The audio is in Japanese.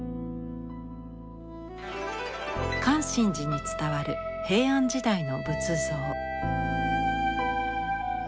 観心寺に伝わる平安時代の仏像。